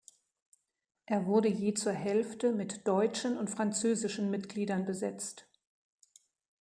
Er wurde je zur Hälfte mit deutschen und französischen Mitgliedern besetzt.